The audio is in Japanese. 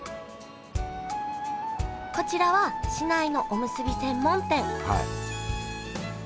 こちらは市内のおむすび専門店はい。